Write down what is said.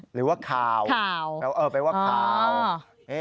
หรือว่าคาวเป็นว่าคาว